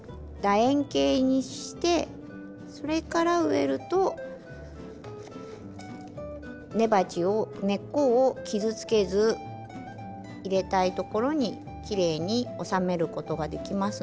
円形にしてそれから植えると根鉢を根っこを傷つけず入れたいところにきれいに収めることができますので。